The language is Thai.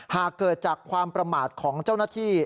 หากเกิดจากความประมาทของเจ้าหน้าที่